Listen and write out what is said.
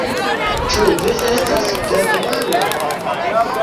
Ĉu vi estas germano?